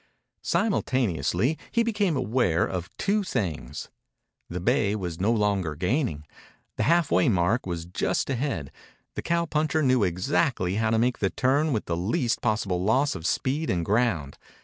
Simultaneously he became aware of two things. The bay was no longer gaining. The halfway mark was just ahead. The cowpuncher knew exactly how to make the turn with the least possible loss of speed and ground.